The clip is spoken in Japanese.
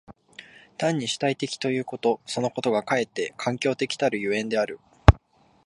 単に主体的ということそのことがかえって環境的たる所以である。